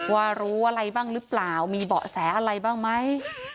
ว่ารู้อะไรบ้างหรือเปล่ามีเบาะแสอะไรบ้างไหม